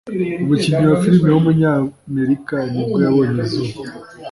umukinnyi wa film w’umunyamerika nibwo yabonye izuba